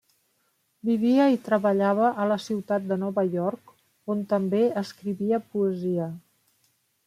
Vivia i treballava a la ciutat de Nova York, on també escrivia poesia.